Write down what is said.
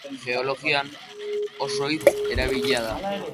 Geologian, oso hitz erabilia da.